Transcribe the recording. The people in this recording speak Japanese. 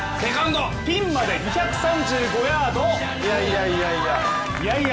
ピンまで２３５ヤード。